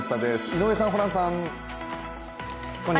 井上さん、ホランさん。